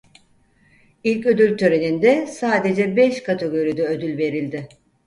İlk ödül töreninde sadece beş kategoride ödül verildi.